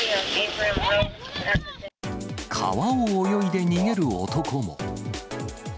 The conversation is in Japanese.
川を泳いで逃げる男も。